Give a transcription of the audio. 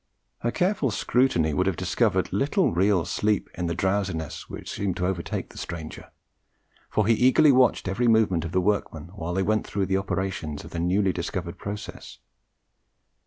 A careful scrutiny would have discovered little real sleep in the drowsiness which seemed to overtake the stranger; for he eagerly watched every movement of the workmen while they went through the operations of the newly discovered process.